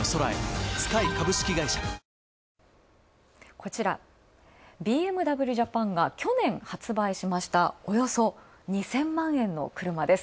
こちら、ＢＭＷジャパンが去年発売したおよそ２０００万円の車です。